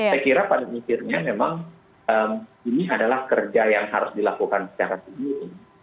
saya kira pada akhirnya memang ini adalah kerja yang harus dilakukan secara sendiri